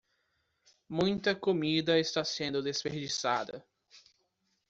Muita comida está sendo desperdiçada.